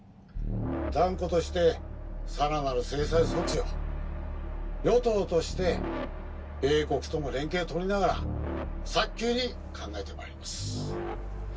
「断固としてさらなる制裁措置を与党として米国とも連携を取りながら早急に考えて参ります」